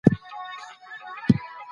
سردرد کله نا کله ځان ته خبر ورکوي.